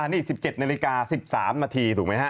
นี่๑๗นาฬิกา๑๓นาทีถูกไหมฮะ